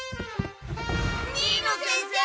・新野先生！